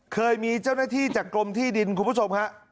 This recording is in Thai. เคยมีเจ้าหน้าที่จากกรมที่ดินคุณผู้ชมฮะ